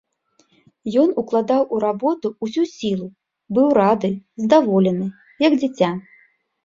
Ён укладаў у работу ўсю сілу, быў рады, здаволены, як дзіця.